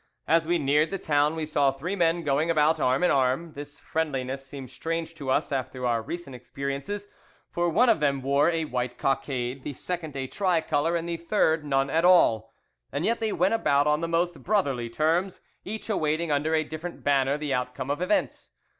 As we neared the town we saw three men going about arm in arm; this friendliness seemed strange to us after our recent experiences, for one of them wore a white cockade, the second a tricolour, and the third none at all, and yet they went about on the most brotherly terms, each awaiting under a different banner the outcome of events.